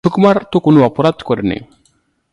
সুকুমার তো কোনো অপরাধ করে নি।